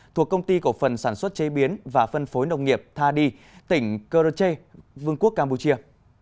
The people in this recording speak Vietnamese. thuộc công ty cổ phần sản xuất chế biến và phân phối nông nghiệp tha đi tỉnh keroche vương quốc campuchia